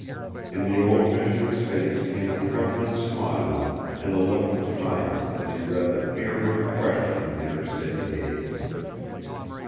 In the old Missioner's face came a trembling smile and a look of triumph as he read the fear written question in her steady gaze.